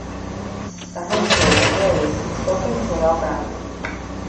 The hindquarters vary from sloping to well-rounded.